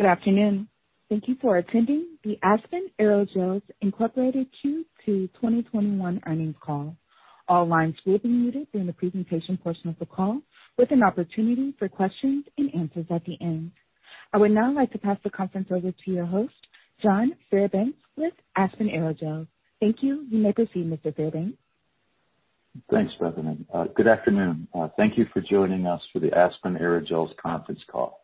Good afternoon. Thank you for attending the Aspen Aerogels Incorporated Q2 2021 earnings call. All lines will be muted during the presentation portion of the call, with an opportunity for questions and answers at the end. I would now like to pass the conference over to your host, John Fairbanks, with Aspen Aerogels. Thank you. You may proceed, Mr. Fairbanks. Thanks, Bethany. Good afternoon. Thank you for joining us for the Aspen Aerogels conference call.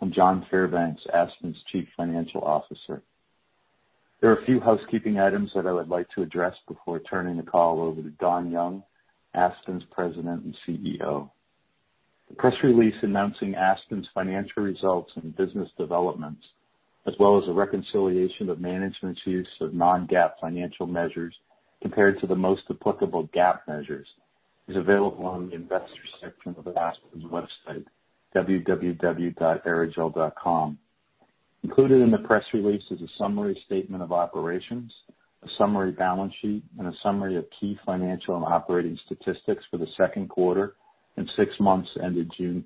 I'm John Fairbanks, Aspen's Chief Financial Officer. There are a few housekeeping items that I would like to address before turning the call over to Don Young, Aspen's President and CEO. The press release announcing Aspen's financial results and business developments, as well as a reconciliation of management's use of non-GAAP financial measures compared to the most applicable GAAP measures, is available on the investor section of Aspen's website, www.aerogel.com. Included in the press release is a summary statement of operations, a summary balance sheet, and a summary of key financial and operating statistics for the second quarter and six months ended 30 June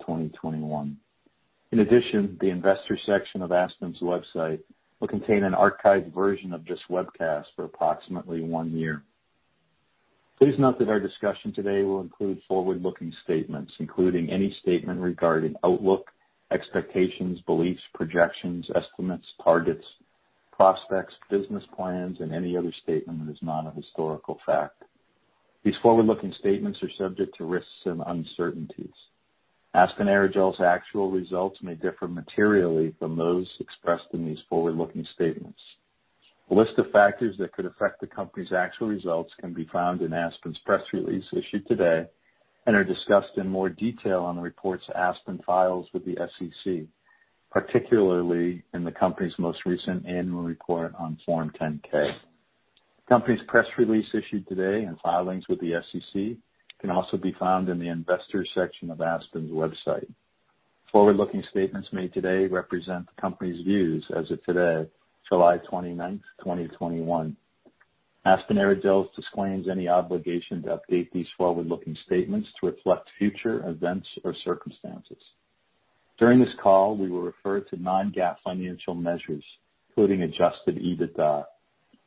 2021. In addition, the investor section of Aspen's website will contain an archived version of this webcast for approximately one year. Please note that our discussion today will include forward-looking statements, including any statement regarding outlook, expectations, beliefs, projections, estimates, targets, prospects, business plans, and any other statement that is not a historical fact. These forward-looking statements are subject to risks and uncertainties. Aspen Aerogels' actual results may differ materially from those expressed in these forward-looking statements. A list of factors that could affect the company's actual results can be found in Aspen's press release issued today and are discussed in more detail on the reports Aspen files with the SEC, particularly in the company's most recent annual report on Form 10-K. The company's press release issued today and filings with the SEC can also be found in the investor section of Aspen's website. Forward-looking statements made today represent the company's views as of today, 29 July 2021. Aspen Aerogels disclaims any obligation to update these forward-looking statements to reflect future events or circumstances. During this call, we were referred to non-GAAP financial measures, including Adjusted EBITDA.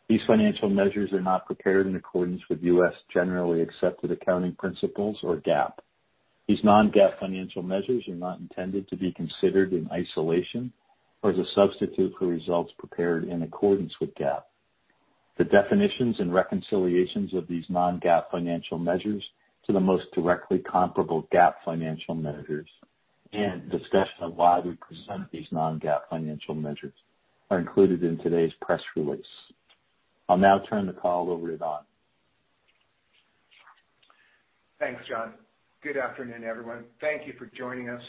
These financial measures are not prepared in accordance with US generally accepted accounting principles or GAAP. These non-GAAP financial measures are not intended to be considered in isolation or as a substitute for results prepared in accordance with GAAP. The definitions and reconciliations of these non-GAAP financial measures to the most directly comparable GAAP financial measures and discussion of why we present these non-GAAP financial measures are included in today's press release. I'll now turn the call over to Don. Thanks, John. Good afternoon, everyone. Thank you for joining us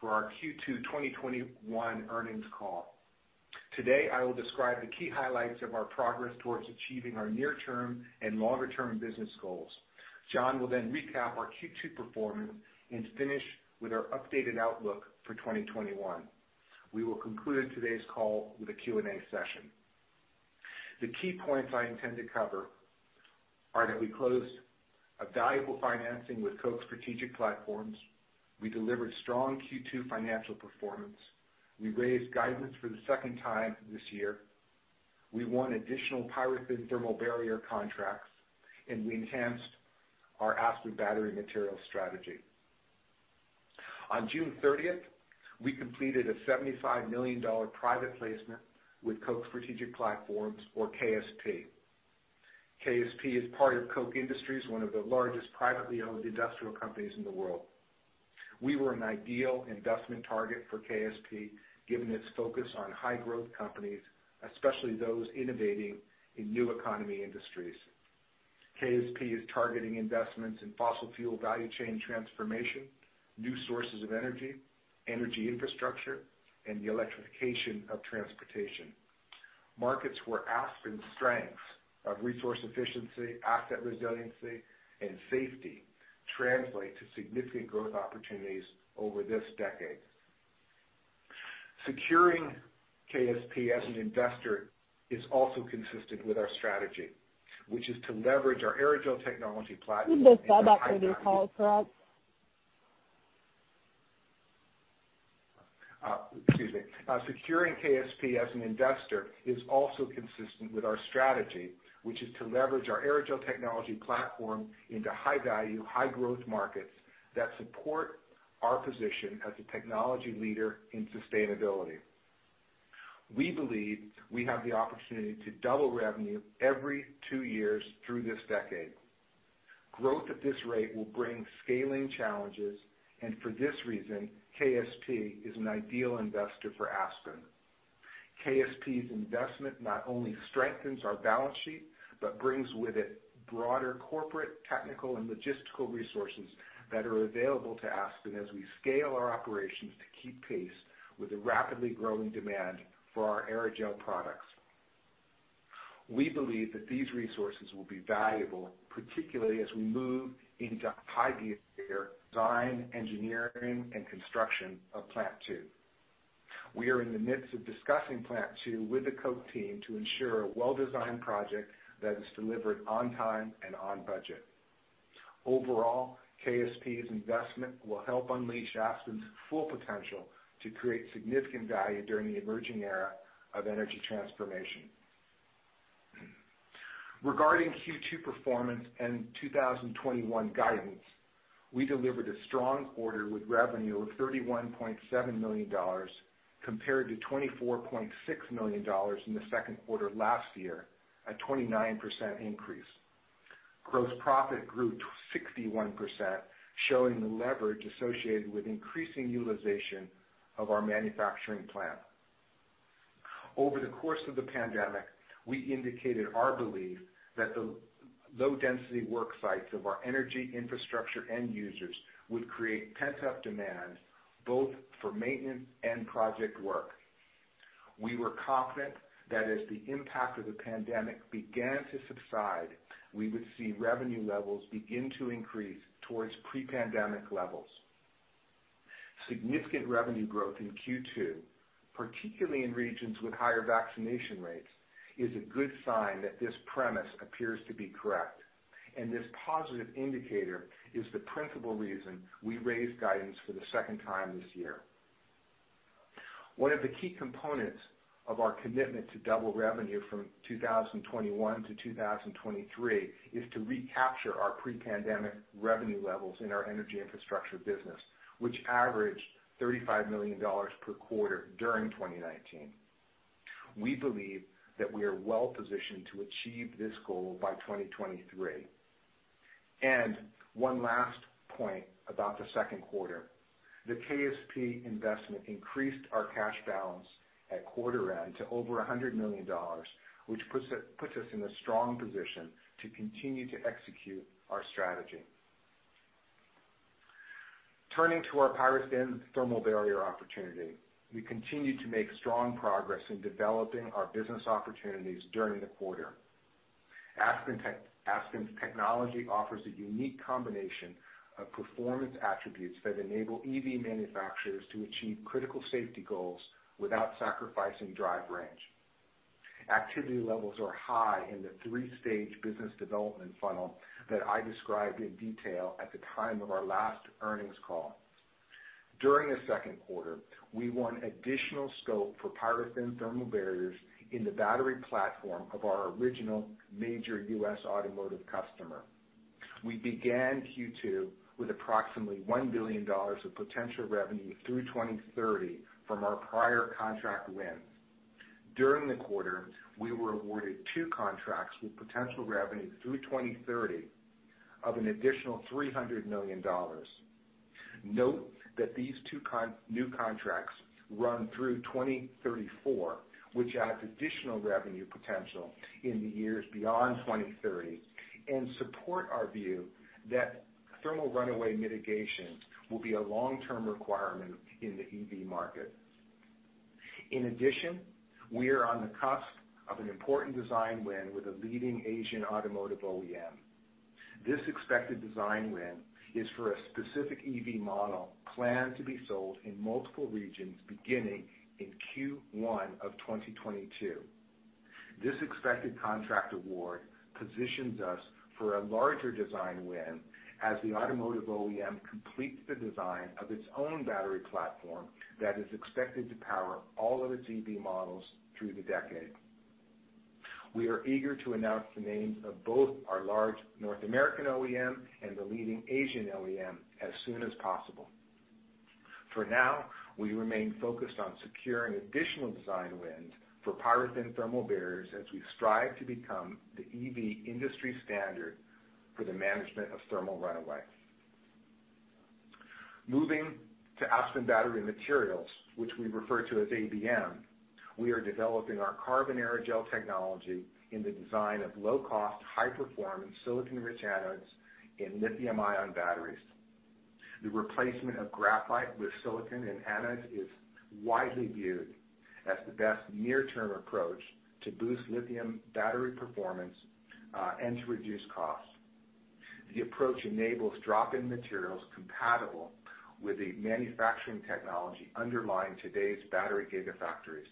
for our Q2 2021 earnings call. Today, I will describe the key highlights of our progress towards achieving our near-term and longer-term business goals. John will then recap our Q2 performance and finish with our updated outlook for 2021. We will conclude today's call with a Q&A session. The key points I intend to cover are that we closed a valuable financing with Koch Strategic Platforms. We delivered strong Q2 financial performance. We raised guidance for the second time this year. We won additional PyroThin thermal barrier contracts, and we enhanced our Aspen Battery Materials strategy. On 30 June, we completed a $75 million private placement with Koch Strategic Platforms, or KSP. KSP is part of Koch Industries, one of the largest privately owned industrial companies in the world. We were an ideal investment target for KSP, given its focus on high-growth companies, especially those innovating in new economy industries. KSP is targeting investments in fossil fuel value chain transformation, new sources of energy, energy infrastructure, and the electrification of transportation. Markets where Aspen's strengths of resource efficiency, asset resiliency, and safety translate to significant growth opportunities over this decade. Securing KSP as an investor is also consistent with our strategy, which is to leverage our Aerogel Technology Platform. You can just say that for the call, correct? Excuse me. Securing KSP as an investor is also consistent with our strategy, which is to leverage our Aerogel Technology Platform into high-value, high-growth markets that support our position as a technology leader in sustainability. We believe we have the opportunity to double revenue every two years through this decade. Growth at this rate will bring scaling challenges, and for this reason, KSP is an ideal investor for Aspen. KSP's investment not only strengthens our balance sheet but brings with it broader corporate, technical, and logistical resources that are available to Aspen as we scale our operations to keep pace with the rapidly growing demand for our Aerogel products. We believe that these resources will be valuable, particularly as we move into high gear design, engineering, and construction of Plant Two. We are in the midst of discussing Plant Two with the Koch team to ensure a well-designed project that is delivered on time and on budget. Overall, KSP's investment will help unleash Aspen's full potential to create significant value during the emerging era of energy transformation. Regarding Q2 performance and 2021 guidance, we delivered a strong quarter with revenue of $31.7 million compared to $24.6 million in the second quarter last year, a 29% increase. Gross profit grew 61%, showing the leverage associated with increasing utilization of our manufacturing plant. Over the course of the pandemic, we indicated our belief that the low-density work sites of our energy infrastructure end users would create pent-up demand both for maintenance and project work. We were confident that as the impact of the pandemic began to subside, we would see revenue levels begin to increase towards pre-pandemic levels. Significant revenue growth in Q2, particularly in regions with higher vaccination rates, is a good sign that this premise appears to be correct, and this positive indicator is the principal reason we raised guidance for the second time this year. One of the key components of our commitment to double revenue from 2021 to 2023 is to recapture our pre-pandemic revenue levels in our energy infrastructure business, which averaged $35 million per quarter during 2019. We believe that we are well-positioned to achieve this goal by 2023, and one last point about the second quarter: the KSP investment increased our cash balance at quarter-end to over $100 million, which puts us in a strong position to continue to execute our strategy. Turning to our PyroThin thermal barrier opportunity, we continue to make strong progress in developing our business opportunities during the quarter. Aspen's technology offers a unique combination of performance attributes that enable EV manufacturers to achieve critical safety goals without sacrificing drive range. Activity levels are high in the three-stage business development funnel that I described in detail at the time of our last earnings call. During the second quarter, we won additional scope for PyroThin thermal barriers in the battery platform of our original major US automotive customer. We began Q2 with approximately $1 billion of potential revenue through 2030 from our prior contract wins. During the quarter, we were awarded two contracts with potential revenue through 2030 of an additional $300 million. Note that these two new contracts run through 2034, which adds additional revenue potential in the years beyond 2030 and supports our view that thermal runaway mitigation will be a long-term requirement in the EV market. In addition, we are on the cusp of an important design win with a leading Asian automotive OEM. This expected design win is for a specific EV model planned to be sold in multiple regions beginning in Q1 of 2022. This expected contract award positions us for a larger design win as the automotive OEM completes the design of its own battery platform that is expected to power all of its EV models through the decade. We are eager to announce the names of both our large North American OEM and the leading Asian OEM as soon as possible. For now, we remain focused on securing additional design wins for PyroThin thermal barriers as we strive to become the EV industry standard for the management of thermal runaway. Moving to Aspen Battery Materials, which we refer to as ABM, we are developing our carbon aerogel technology in the design of low-cost, high-performance silicon-rich anodes in lithium-ion batteries. The replacement of graphite with silicon in anodes is widely viewed as the best near-term approach to boost lithium battery performance and to reduce costs. The approach enables drop-in materials compatible with the manufacturing technology underlying today's battery gigafactories.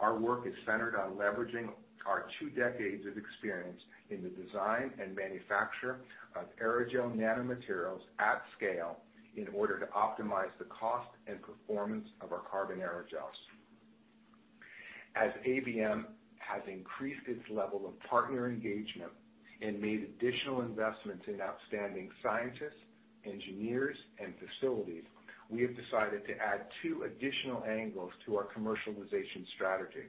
Our work is centered on leveraging our two decades of experience in the design and manufacture of aerogel nanomaterials at scale in order to optimize the cost and performance of our Carbon Aerogels. As ABM has increased its level of partner engagement and made additional investments in outstanding scientists, engineers, and facilities, we have decided to add two additional angles to our commercialization strategy.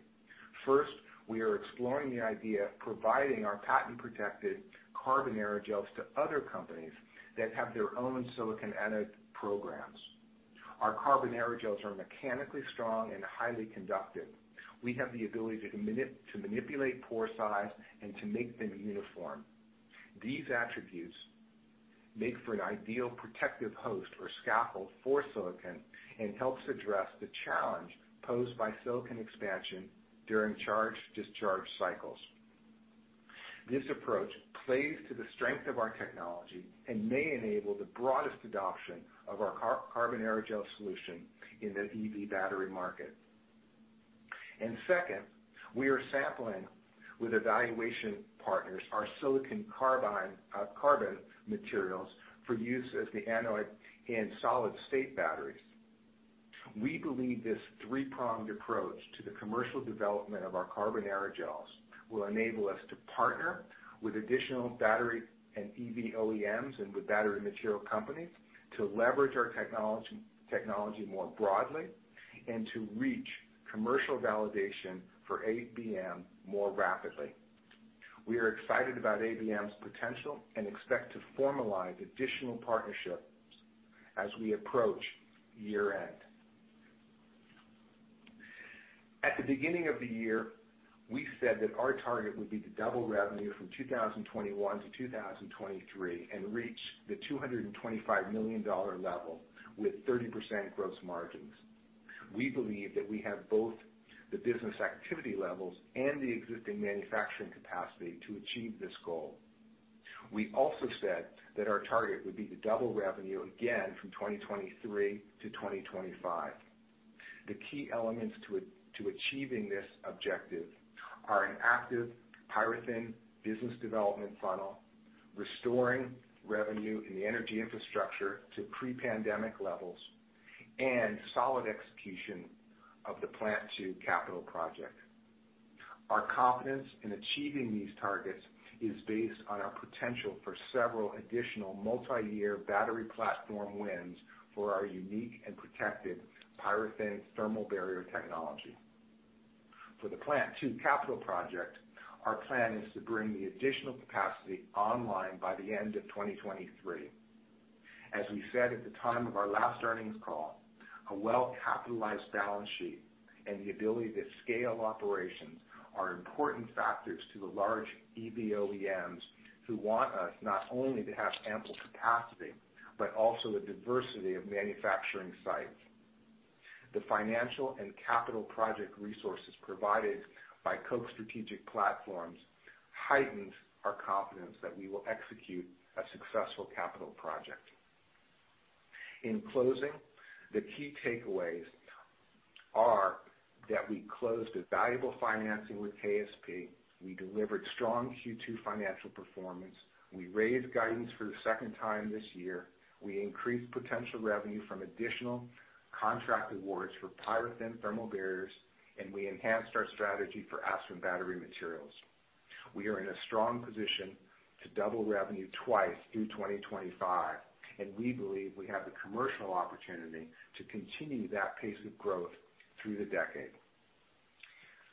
First, we are exploring the idea of providing our patent-protected Carbon Aerogels to other companies that have their own silicon anode programs. Our Carbon Aerogels are mechanically strong and highly conductive. We have the ability to manipulate pore size and to make them uniform. These attributes make for an ideal protective host or scaffold for silicon and help address the challenge posed by silicon expansion during charge/discharge cycles. This approach plays to the strength of our technology and may enable the broadest adoption of our carbon aerogel solution in the EV battery market. And second, we are sampling with evaluation partners our silicon carbon materials for use as the anode in solid-state batteries. We believe this three-pronged approach to the commercial development of our Carbon Aerogels will enable us to partner with additional battery and EV OEMs and with battery material companies to leverage our technology more broadly and to reach commercial validation for ABM more rapidly. We are excited about ABM's potential and expect to formalize additional partnerships as we approach year-end. At the beginning of the year, we said that our target would be to double revenue from 2021 to 2023 and reach the $225 million level with 30% gross margins. We believe that we have both the business activity levels and the existing manufacturing capacity to achieve this goal. We also said that our target would be to double revenue again from 2023 to 2025. In closing, the key takeaways are that we closed a valuable financing with KSP, we delivered strong Q2 financial performance, we raised guidance for the second time this year, we increased potential revenue from additional contract awards for PyroThin thermal barriers, and we enhanced our strategy for Aspen Battery Materials. We are in a strong position to double revenue twice through 2025, and we believe we have the commercial opportunity to continue that pace of growth through the decade.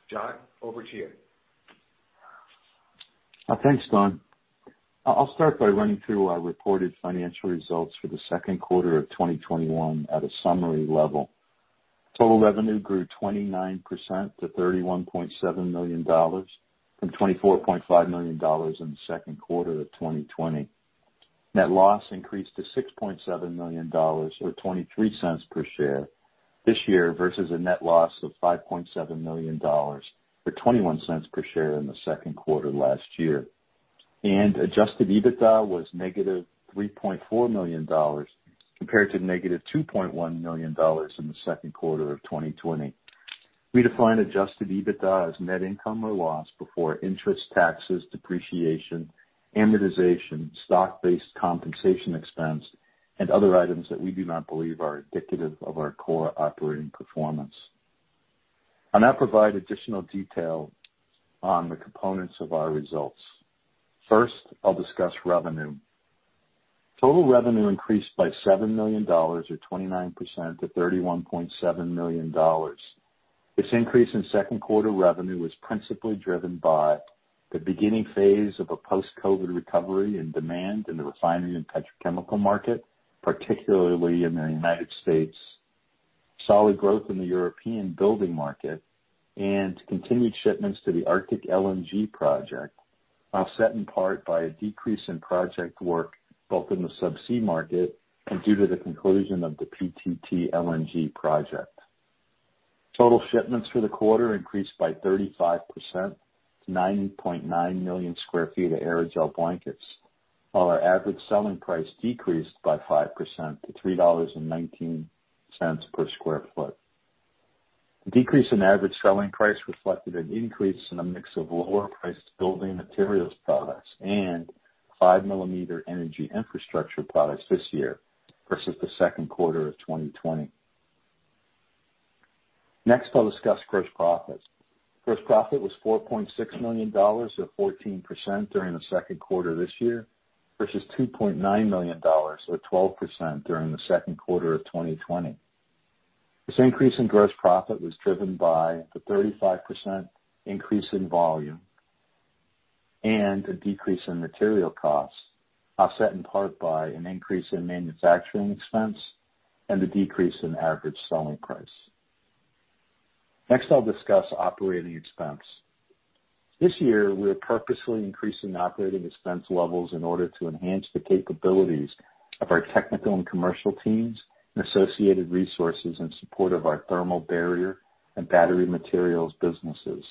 John, over to you. Thanks, Don. I'll start by running through our reported financial results for the second quarter of 2021 at a summary level. Total revenue grew 29% to $31.7 million from $24.5 million in the second quarter of 2020. Net loss increased to $6.7 million or $0.23 per share this year versus a net loss of $5.7 million or $0.21 per share in the second quarter last year. Adjusted EBITDA was negative $3.4 million compared to negative $2.1 million in the second quarter of 2020. We define Adjusted EBITDA as net income or loss before interest, taxes, depreciation, amortization, stock-based compensation expense, and other items that we do not believe are indicative of our core operating performance. I'll now provide additional detail on the components of our results. First, I'll discuss revenue. Total revenue increased by $7 million or 29% to $31.7 million. This increase in second quarter revenue was principally driven by the beginning phase of a post-COVID recovery in demand in the refinery and petrochemical market, particularly in the United States, solid growth in the European building market, and continued shipments to the Arctic LNG 2 project, offset in part by a decrease in project work both in the subsea market and due to the conclusion of the PTT LNG project. Total shipments for the quarter increased by 35% to 9.9 million sq ft of Aerogel Blankets, while our average selling price decreased by 5% to $3.19 per sq ft. The decrease in average selling price reflected an increase in a mix of lower-priced building materials products and 5-millimeter energy infrastructure products this year versus the second quarter of 2020. Next, I'll discuss gross profits. Gross profit was $4.6 million or 14% during the second quarter this year versus $2.9 million or 12% during the second quarter of 2020. This increase in gross profit was driven by the 35% increase in volume and a decrease in material costs, offset in part by an increase in manufacturing expense and the decrease in average selling price. Next, I'll discuss operating expense. This year, we are purposely increasing operating expense levels in order to enhance the capabilities of our technical and commercial teams and associated resources in support of our thermal barrier and battery materials businesses.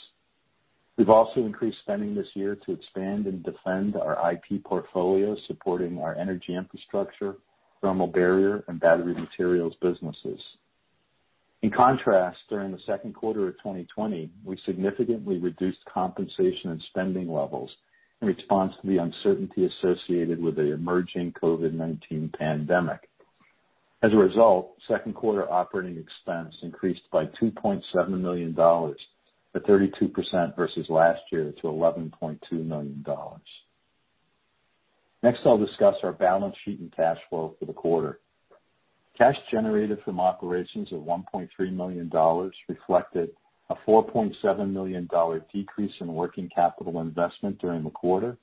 We've also increased spending this year to expand and defend our IP portfolio supporting our energy infrastructure, thermal barrier, and battery materials businesses. In contrast, during the second quarter of 2020, we significantly reduced compensation and spending levels in response to the uncertainty associated with the emerging COVID-19 pandemic. As a result, second quarter operating expense increased by $2.7 million or 32% versus last year to $11.2 million. Next, I'll discuss our balance sheet and cash flow for the quarter. Cash generated from operations of $1.3 million reflected a $4.7 million decrease in working capital investment during the quarter,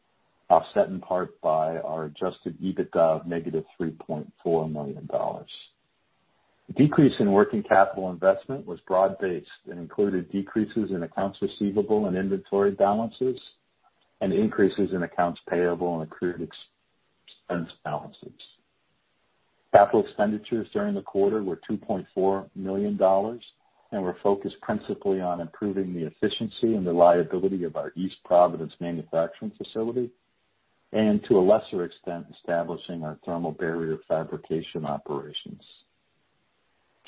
offset in part by our adjusted EBITDA of negative $3.4 million. The decrease in working capital investment was broad-based and included decreases in accounts receivable and inventory balances and increases in accounts payable and accrued expense balances. Capital expenditures during the quarter were $2.4 million and were focused principally on improving the efficiency and reliability of our East Providence manufacturing facility and, to a lesser extent, establishing our thermal barrier fabrication operations.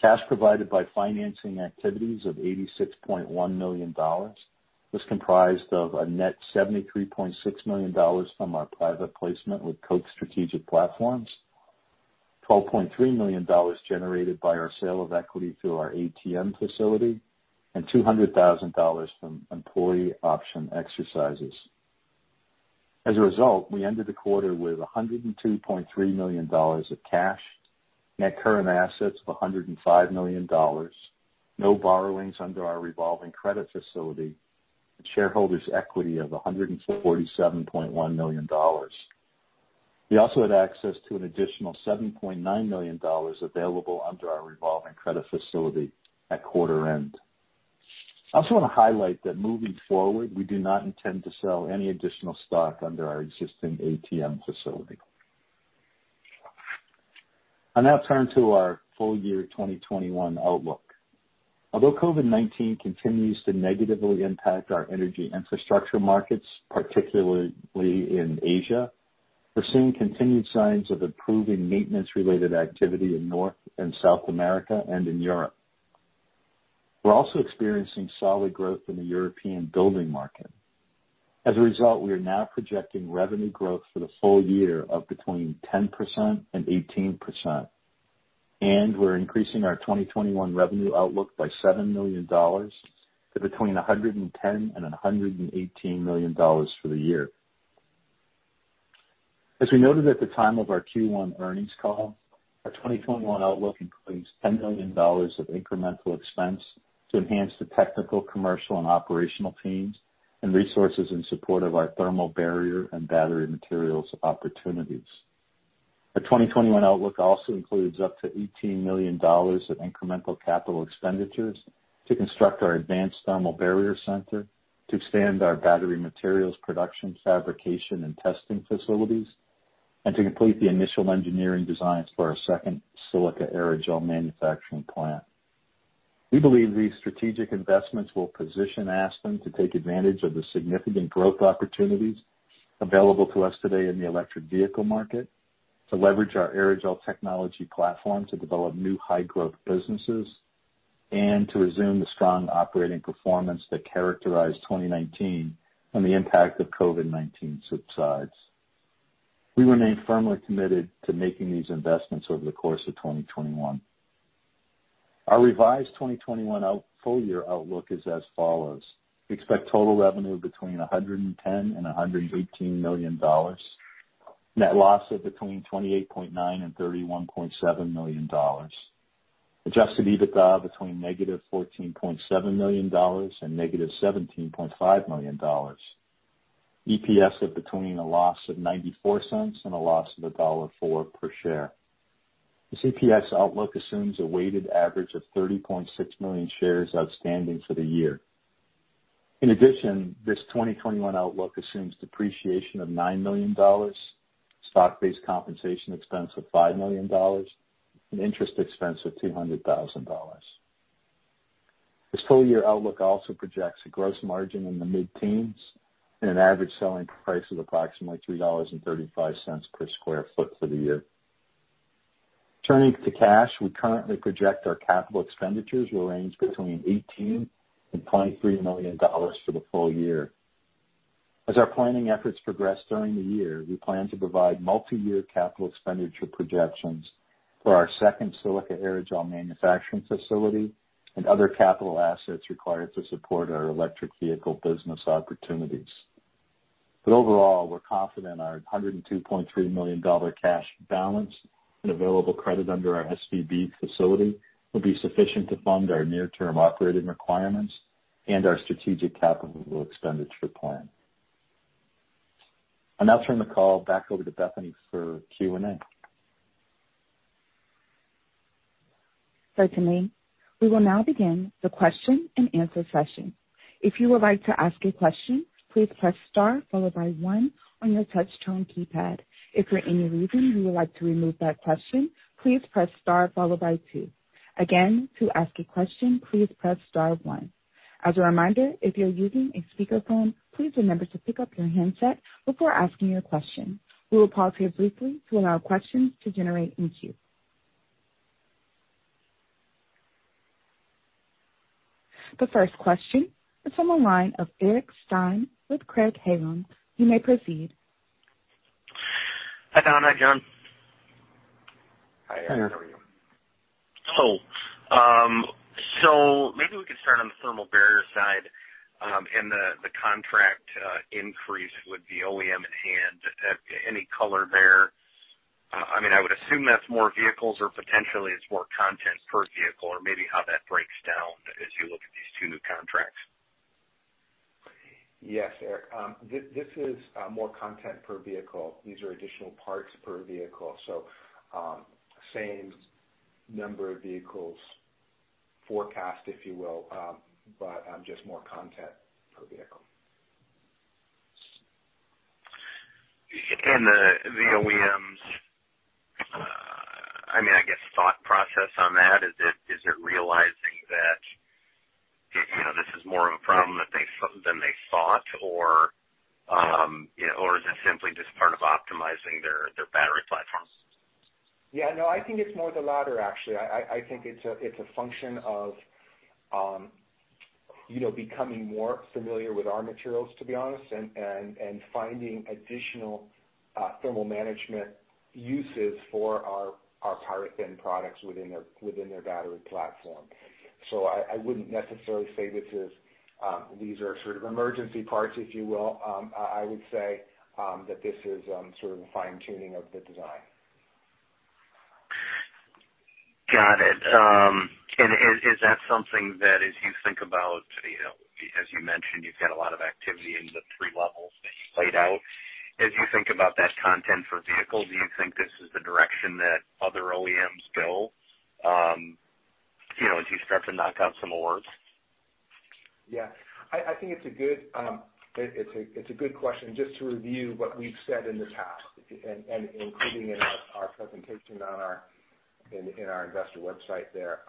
Cash provided by financing activities of $86.1 million was comprised of a net $73.6 million from our private placement with Koch Strategic Platforms, $12.3 million generated by our sale of equity through our ATM facility, and $200,000 from employee option exercises. As a result, we ended the quarter with $102.3 million of cash, net current assets of $105 million, no borrowings under our revolving credit facility, and shareholders' equity of $147.1 million. We also had access to an additional $7.9 million available under our revolving credit facility at quarter-end. I also want to highlight that moving forward, we do not intend to sell any additional stock under our existing ATM facility. I'll now turn to our full year 2021 outlook. Although COVID-19 continues to negatively impact our energy infrastructure markets, particularly in Asia, we're seeing continued signs of improving maintenance-related activity in North and South America and in Europe. We're also experiencing solid growth in the European building market. As a result, we are now projecting revenue growth for the full year of between 10% and 18%, and we're increasing our 2021 revenue outlook by $7 million to between $110 and $118 million for the year. As we noted at the time of our Q1 earnings call, our 2021 outlook includes $10 million of incremental expense to enhance the technical, commercial, and operational teams and resources in support of our thermal barrier and battery materials opportunities. Our 2021 outlook also includes up to $18 million of incremental capital expenditures to construct our advanced thermal barrier center, to expand our battery materials production, fabrication, and testing facilities, and to complete the initial engineering designs for our second silica aerogel manufacturing plant. We believe these strategic investments will position Aspen to take advantage of the significant growth opportunities available to us today in the electric vehicle market, to leverage our aerogel technology platform to develop new high-growth businesses, and to resume the strong operating performance that characterized 2019 when the impact of COVID-19 subsides. We remain firmly committed to making these investments over the course of 2021. Our revised 2021 full year outlook is as follows. We expect total revenue between $110 and $118 million, net loss of between $28.9 and $31.7 million, Adjusted EBITDA between negative $14.7 million and negative $17.5 million, EPS of between a loss of $0.94 and a loss of $1.04 per share. This EPS outlook assumes a weighted average of 30.6 million shares outstanding for the year. In addition, this 2021 outlook assumes depreciation of $9 million, stock-based compensation expense of $5 million, and interest expense of $200,000. This full year outlook also projects a gross margin in the mid-teens and an average selling price of approximately $3.35 per sq ft for the year. Turning to cash, we currently project our capital expenditures will range between $18 and $23 million for the full year. As our planning efforts progress during the year, we plan to provide multi-year capital expenditure projections for our second silica aerogel manufacturing facility and other capital assets required to support our electric vehicle business opportunities. But overall, we're confident our $102.3 million cash balance and available credit under our SVB facility will be sufficient to fund our near-term operating requirements and our strategic capital expenditure plan. I'll now turn the call back over to Bethany for Q&A. Bethany, we will now begin the question and answer session. If you would like to ask a question, please press star followed by one on your touch-tone keypad. If for any reason you would like to remove that question, please press star followed by two. Again, to ask a question, please press star one. As a reminder, if you're using a speakerphone, please remember to pick up your handset before asking your question. We will pause here briefly to allow questions to generate in queue. The first question is from a line of Eric Stine with Craig-Hallum. You may proceed. Hi, Don. Hi John. Hi Eric. Maybe we could start on the thermal barrier side, and the contract increase would be from OEM and any color there. I mean, I would assume that's more vehicles or potentially it's more content per vehicle or maybe how that breaks down as you look at these two new contracts. Yes, Eric. This is more content per vehicle. These are additional parts per vehicle, so same number of vehicles forecast, if you will, but just more content per vehicle. The OEMs, I mean, I guess thought process on that, is it realizing that this is more of a problem than they thought, or is it simply just part of optimizing their battery platform? Yeah. No, I think it's more the latter, actually. I think it's a function of becoming more familiar with our materials, to be honest, and finding additional thermal management uses for our PyroThin products within their battery platform. So I wouldn't necessarily say this is, these are sort of emergency parts, if you will. I would say that this is sort of a fine-tuning of the design. Got it. And is that something that, as you think about, as you mentioned, you've got a lot of activity in the three levels that you laid out. As you think about that content for vehicles, do you think this is the direction that other OEMs go as you start to knock out some awards? Yeah. I think it's a good question. Just to review what we've said in the past, including in our presentation on our investor website there,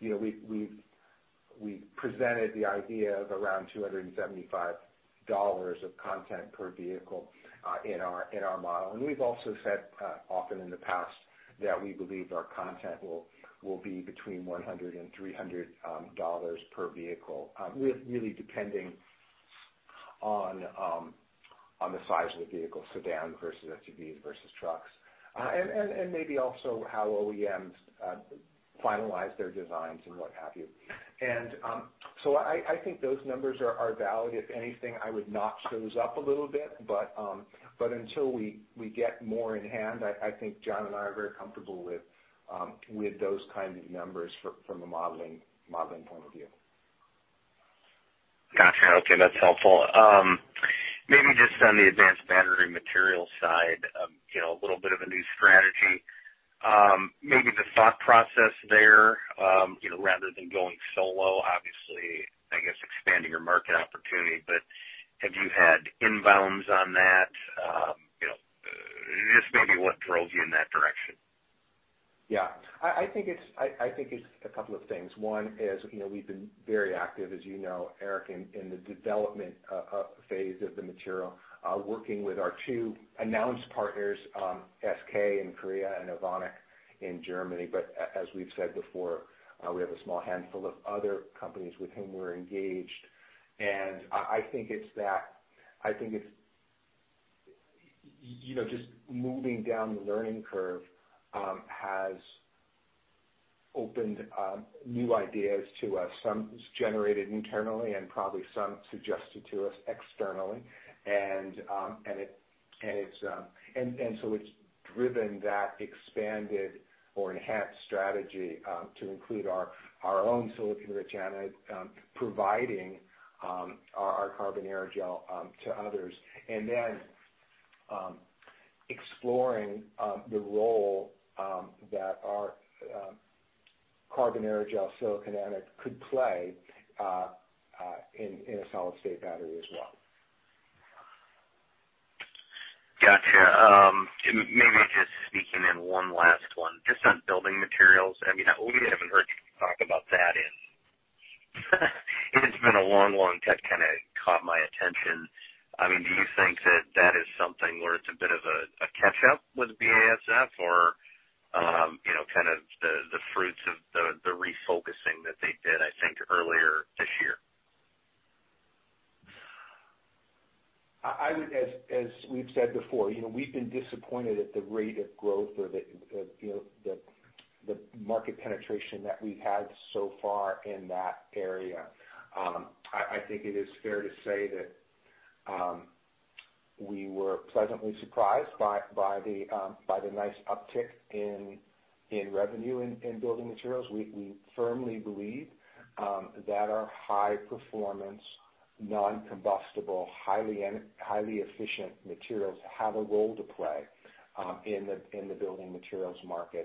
we've presented the idea of around $275 of content per vehicle in our model. And we've also said often in the past that we believe our content will be between $100 and $300 per vehicle, really depending on the size of the vehicle, sedan versus SUVs versus trucks, and maybe also how OEMs finalize their designs and what have you. And so I think those numbers are valid. If anything, I would notch those up a little bit, but until we get more in hand, I think John and I are very comfortable with those kinds of numbers from a modeling point of view. Gotcha. Okay. That's helpful. Maybe just on the advanced battery materials side, a little bit of a new strategy. Maybe the thought process there, rather than going solo, obviously, I guess expanding your market opportunity, but have you had inbounds on that? Just maybe what drove you in that direction? Yeah. I think it's a couple of things. One is we've been very active, as you know, Eric, in the development phase of the material, working with our two announced partners, SK in Korea and Evonik in Germany. But as we've said before, we have a small handful of other companies with whom we're engaged. And I think it's just moving down the learning curve has opened new ideas to us, some generated internally and probably some suggested to us externally. And so it's driven that expanded or enhanced strategy to include our own silicon-rich anode, providing our carbon aerogel to others, and then exploring the role that our carbon aerogel silicon anode could play in a solid-state battery as well. Gotcha. Maybe just sneaking in one last one. Just on building materials, I mean, we haven't heard you talk about that in. It's been a long, long. That kind of caught my attention. I mean, do you think that that is something where it's a bit of a catch-up with BASF or kind of the fruits of the refocusing that they did, I think, earlier this year? As we've said before, we've been disappointed at the rate of growth or the market penetration that we've had so far in that area. I think it is fair to say that we were pleasantly surprised by the nice uptick in revenue in building materials. We firmly believe that our high-performance, non-combustible, highly efficient materials have a role to play in the building materials market,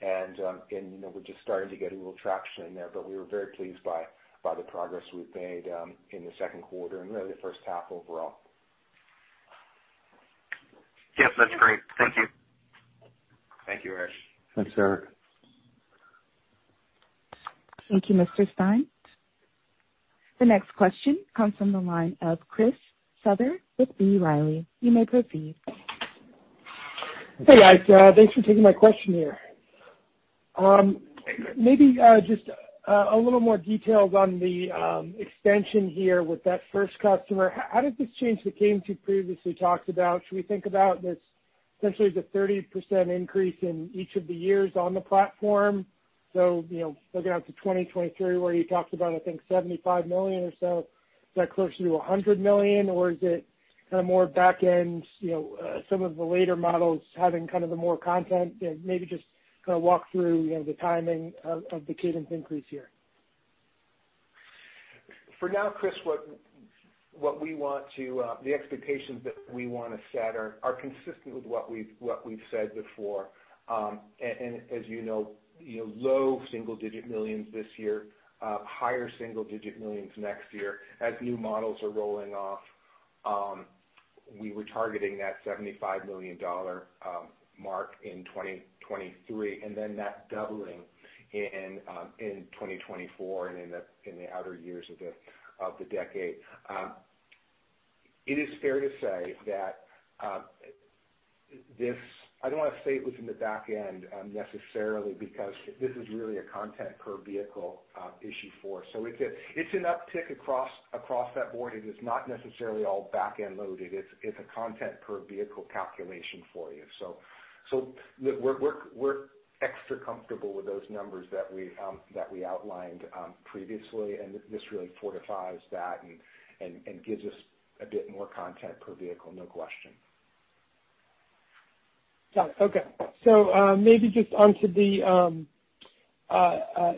and we're just starting to get a little traction in there, but we were very pleased by the progress we've made in the second quarter and really the first half overall. Yep. That's great. Thank you. Thank you, Eric. Thanks, Eric. Thank you, Mr Stine. The next question comes from the line of Chris Souther with B Riley. You may proceed. Hey, guys. Thanks for taking my question here. Maybe just a little more details on the extension here with that first customer. How did this change that Keenan previously talked about? Should we think about this essentially as a 30% increase in each of the years on the platform? So looking out to 2023, where you talked about, I think, 75 million or so, is that closer to 100 million, or is it kind of more back-end, some of the later models having kind of the more content? Maybe just kind of walk through the timing of the cadence increase here? For now, Chris, what we want are the expectations that we want to set are consistent with what we've said before. As you know, low single-digit millions this year, higher single-digit millions next year as new models are rolling off. We were targeting that $75 million mark in 2023, and then that doubling in 2024 and in the outer years of the decade. It is fair to say that this, I don't want to say it was in the back-end necessarily because this is really a content-per-vehicle issue for us. So it's an uptick across the board. It is not necessarily all back-end loaded. It's a content-per-vehicle calculation for you. So we're extra comfortable with those numbers that we outlined previously, and this really fortifies that and gives us a bit more content-per-vehicle, no question. Got it. Okay. So maybe just onto the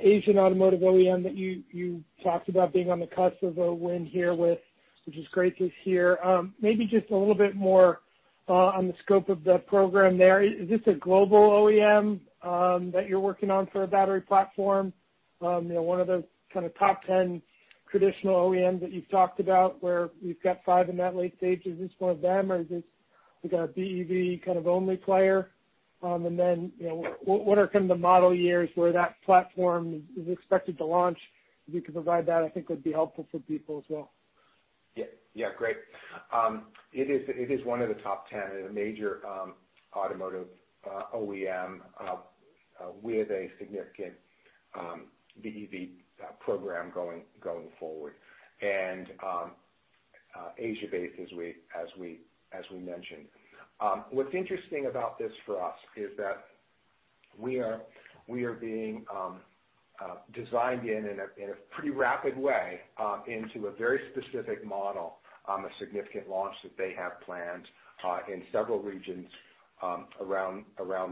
Asian automotive OEM that you talked about being on the cusp of a win here with, which is great to hear. Maybe just a little bit more on the scope of the program there. Is this a global OEM that you're working on for a battery platform? One of the kind of top 10 traditional OEMs that you've talked about where we've got five in that late stage, is this one of them, or is this we've got a BEV kind of only player? And then what are kind of the model years where that platform is expected to launch? If you could provide that, I think would be helpful for people as well. Yeah. Yeah. Great. It is one of the top 10 in a major automotive OEM with a significant BEV program going forward and Asia-based, as we mentioned. What's interesting about this for us is that we are being designed in a pretty rapid way into a very specific model, a significant launch that they have planned in several regions around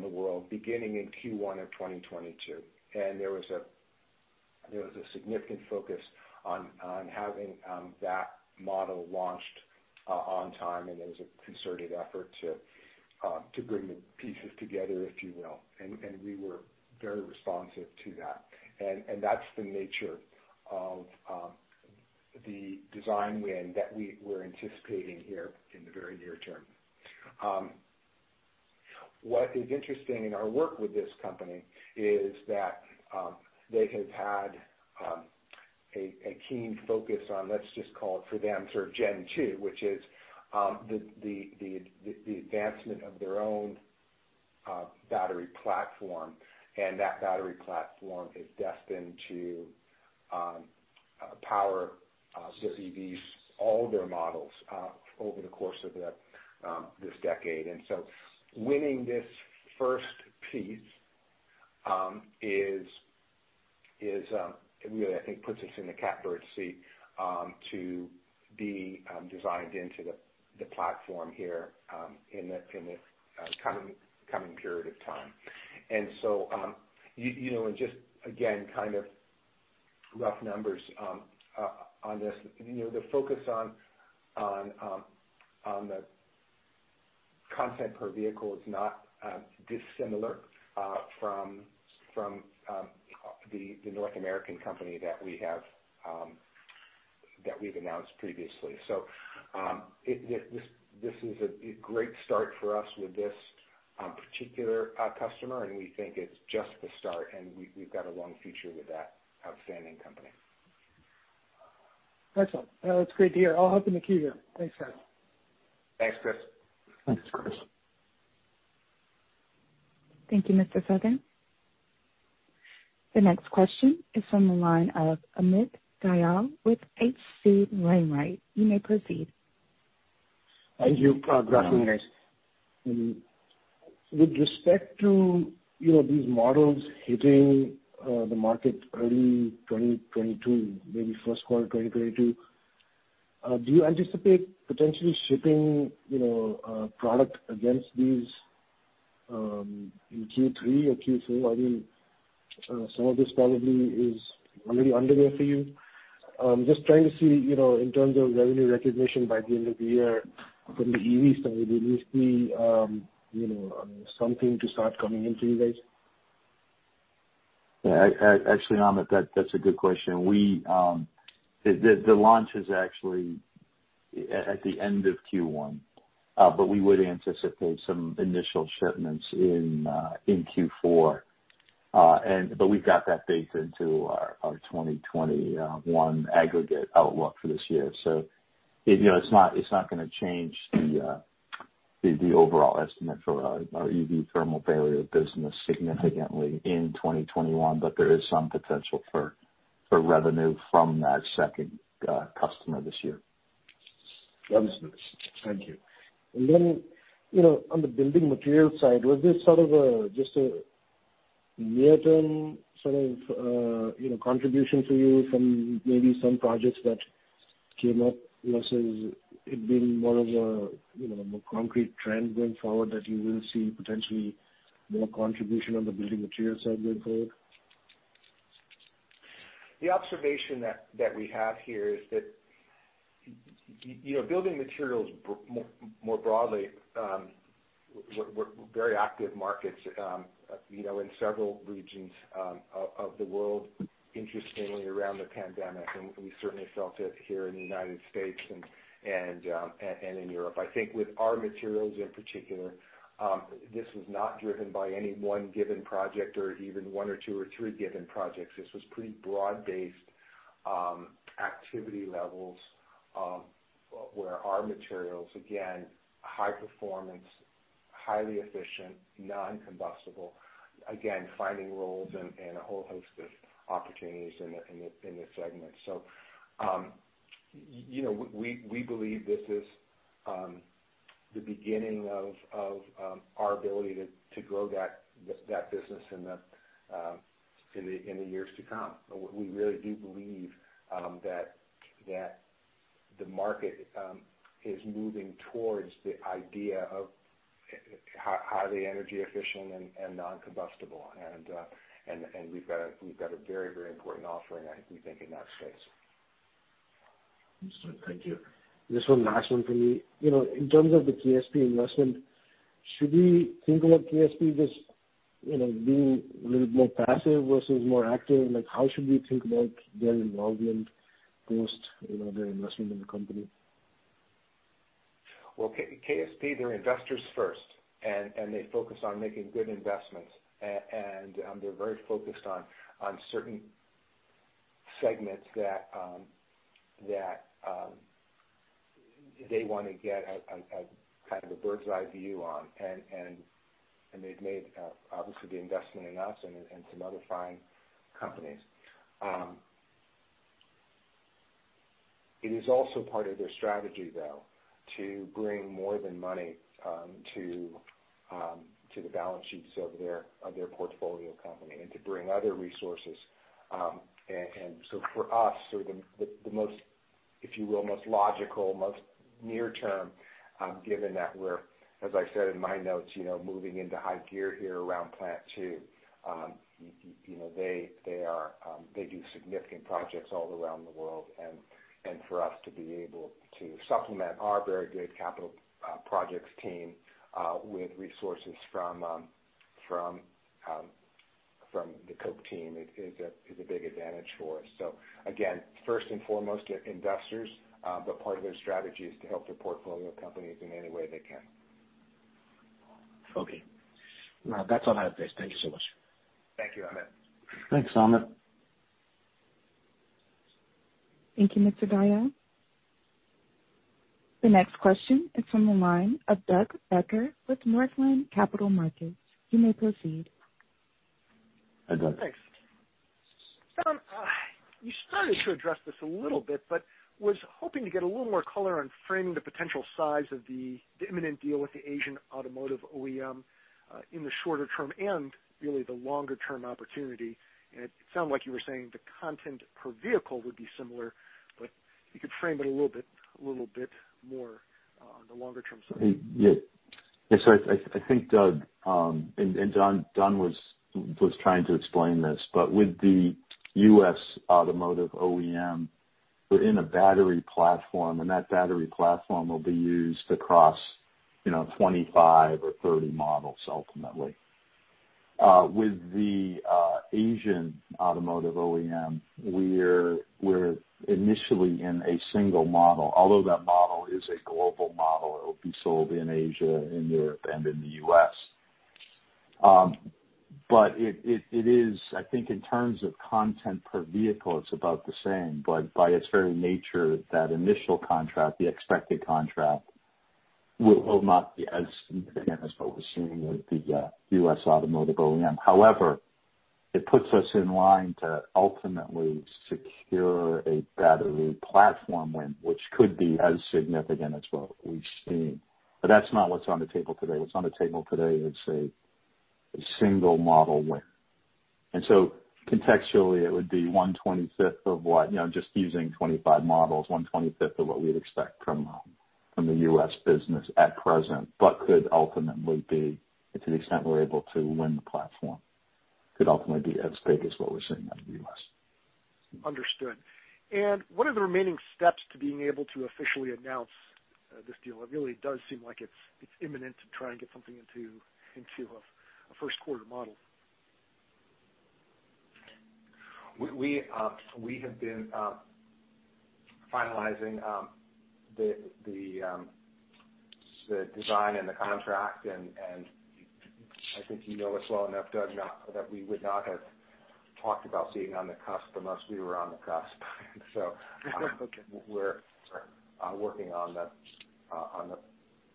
the world, beginning in Q1 of 2022. And there was a significant focus on having that model launched on time, and there was a concerted effort to bring the pieces together, if you will. And we were very responsive to that. And that's the nature of the design win that we're anticipating here in the very near term. What is interesting in our work with this company is that they have had a keen focus on, let's just call it for them, sort of Gen 2, which is the advancement of their own battery platform. And that battery platform is destined to power the EVs, all their models, over the course of this decade. And so winning this first piece is really, I think, puts us in the catbird seat to be designed into the platform here in the coming period of time. And so just, again, kind of rough numbers on this. The focus on the content-per-vehicle is not dissimilar from the North American company that we've announced previously. So this is a great start for us with this particular customer, and we think it's just the start, and we've got a long future with that outstanding company. Excellent. That's great to hear. I'll hop in the queue here. Thanks, guys. Thanks, Chris. Thanks, Chris. Thank you, Mr Souther. The next question is from the line of Amit Dayal with HC Wainwright. You may proceed. Thank you, guys. With respect to these models hitting the market early 2022, maybe first quarter 2022, do you anticipate potentially shipping product against these in Q3 or Q4? I mean, some of this probably is already underway for you. Just trying to see in terms of revenue recognition by the end of the year from the EV side, will there be something to start coming into you guys? Actually, Amit, that's a good question. The launch is actually at the end of Q1, but we would anticipate some initial shipments in Q4. But we've got that baked into our 2021 aggregate outlook for this year. So it's not going to change the overall estimate for our EV thermal barrier business significantly in 2021, but there is some potential for revenue from that second customer this year. That is nice. Thank you. And then on the building materials side, was this sort of just a near-term sort of contribution for you from maybe some projects that came up versus it being more of a more concrete trend going forward that you will see potentially more contribution on the building materials side going forward? The observation that we have here is that building materials more broadly were very active markets in several regions of the world, interestingly, around the pandemic, and we certainly felt it here in the United States and in Europe. I think with our materials in particular, this was not driven by any one given project or even one or two or three given projects. This was pretty broad-based activity levels where our materials, again, high performance, highly efficient, non-combustible, again, finding roles and a whole host of opportunities in the segment, so we believe this is the beginning of our ability to grow that business in the years to come. We really do believe that the market is moving towards the idea of highly energy efficient and non-combustible, and we've got a very, very important offering, I think, we think in that space. Excellent. Thank you. This one last one for me. In terms of the KSP investment, should we think about KSP just being a little more passive versus more active? How should we think about their involvement post their investment in the company? KSP, they're investors first, and they focus on making good investments. They're very focused on certain segments that they want to get kind of a bird's-eye view on. They've made, obviously, the investment in us and some other fine companies. It is also part of their strategy, though, to bring more than money to the balance sheets of their portfolio company and to bring other resources. So for us, sort of the most, if you will, most logical, most near-term, given that we're, as I said in my notes, moving into high gear here around Plant Two, they do significant projects all around the world. For us to be able to supplement our very good capital projects team with resources from the Koch team is a big advantage for us. So again, first and foremost, investors, but part of their strategy is to help their portfolio companies in any way they can. Okay. That's all I have for you. Thank you so much. Thank you, Amit. Thanks, Amit. Thank you, Mr Dayal. The next question is from the line of Doug Becker with Northland Capital Markets. You may proceed. Thanks. You started to address this a little bit, but was hoping to get a little more color on framing the potential size of the imminent deal with the Asian automotive OEM in the shorter term and really the longer-term opportunity, and it sounded like you were saying the content-per-vehicle would be similar, but you could frame it a little bit more on the longer-term side? Yeah. Yeah. So I think Doug and Don was trying to explain this, but with the US automotive OEM, we're in a battery platform, and that battery platform will be used across 25 or 30 models ultimately. With the Asian automotive OEM, we're initially in a single model. Although that model is a global model, it will be sold in Asia, in Europe, and in the US. But it is, I think, in terms of content-per-vehicle, it's about the same. But by its very nature, that initial contract, the expected contract will not be as significant as what we're seeing with the US automotive OEM. However, it puts us in line to ultimately secure a battery platform win, which could be as significant as what we've seen. But that's not what's on the table today. What's on the table today is a single model win. And so, contextually, it would be one twenty-fifth of what, just using 25 models, one twenty-fifth of what we'd expect from the US business at present, but could ultimately be, to the extent we're able to win the platform, as big as what we're seeing out of the US. Understood. And what are the remaining steps to being able to officially announce this deal? It really does seem like it's imminent to try and get something into a first-quarter model? We have been finalizing the design and the contract, and I think you know us well enough, Doug, that we would not have talked about being on the cusp unless we were on the cusp, so we're working on the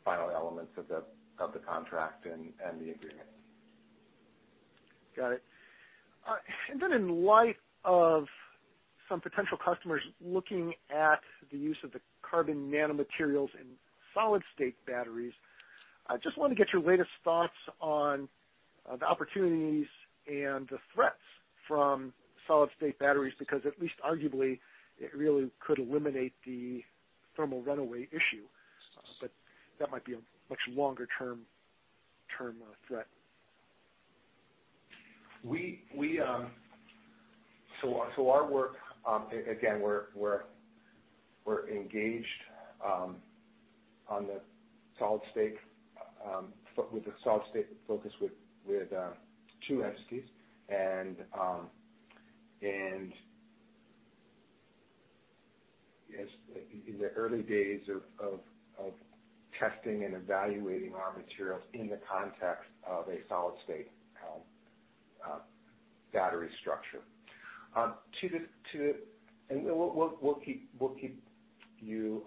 final elements of the contract and the agreement. Got it. And then in light of some potential customers looking at the use of the carbon nanomaterials in solid-state batteries, I just want to get your latest thoughts on the opportunities and the threats from solid-state batteries because at least arguably it really could eliminate the thermal runaway issue, but that might be a much longer-term threat. So our work, again, we're engaged on the solid-state with the solid-state focus with two entities, and in the early days of testing and evaluating our materials in the context of a solid-state battery structure, and we'll keep you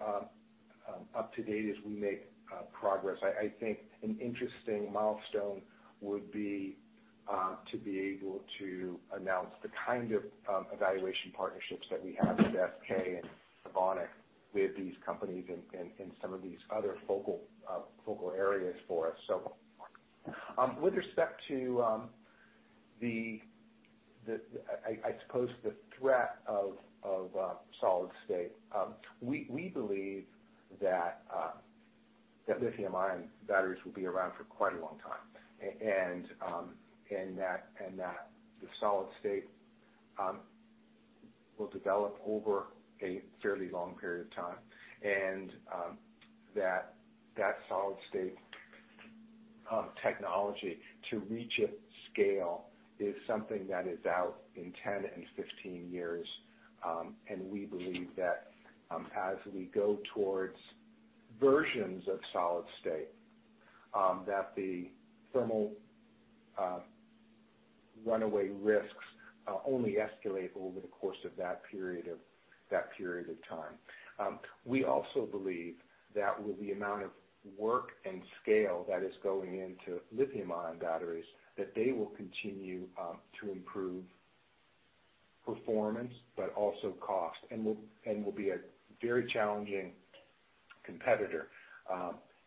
up to date as we make progress. I think an interesting milestone would be to be able to announce the kind of evaluation partnerships that we have with SK and Evonik with these companies in some of these other focal areas for us, so with respect to the, I suppose, the threat of solid-state, we believe that lithium-ion batteries will be around for quite a long time and that the solid-state will develop over a fairly long period of time, and that solid-state technology to reach its scale is something that is out in 10 and 15 years. We believe that as we go towards versions of solid-state, that the thermal runaway risks only escalate over the course of that period of time. We also believe that with the amount of work and scale that is going into lithium-ion batteries, that they will continue to improve performance, but also cost, and will be a very challenging competitor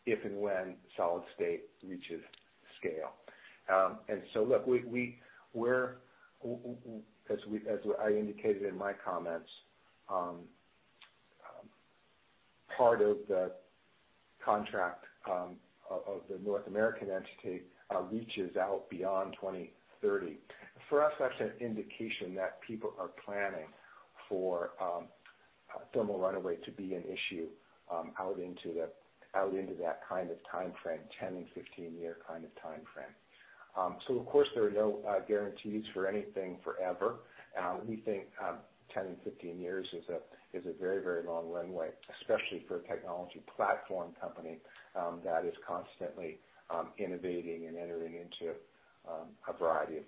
if and when solid-state reaches scale. Look, we're, as I indicated in my comments, part of the contract of the North American entity reaches out beyond 2030. For us, that's an indication that people are planning for thermal runaway to be an issue out into that kind of timeframe, 10 and 15-year kind of timeframe. Of course, there are no guarantees for anything forever. We think 10 and 15 years is a very, very long runway, especially for a technology platform company that is constantly innovating and entering into a variety